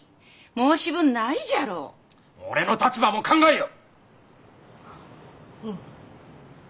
俺の立場も考えよ！